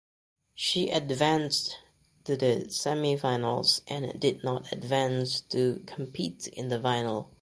She advanced to the semifinals and did not advance to compete in the final.